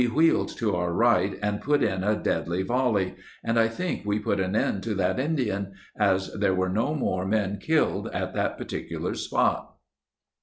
wheeled to our right and put in a deadly volley, and I think we put an end to that Indian, as there were no more men killed at that particular spot."